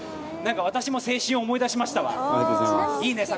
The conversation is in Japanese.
私も青春思い出しました。